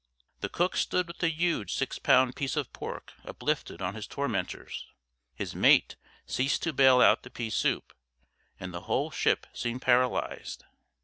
The cook stood with a huge six pound piece of pork uplifted on his tormentors, his mate ceased to bale out the pea soup, and the whole ship seemed paralysed.